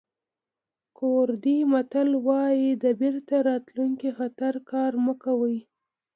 کوردي متل وایي د بېرته راتلونکي خطر کار مه کوئ.